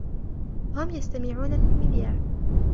هم يستمعون للمذياع.